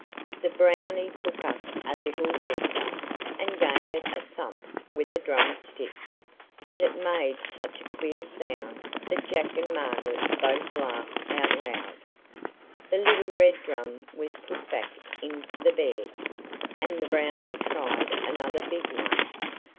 The Brownie took up a little red drum, and gave it a thump with a drum stick. But it made such a queer sound that Jack and Margaret both laughed out loud. The little red drum was put back into the bed, and the Brownie tried another big one.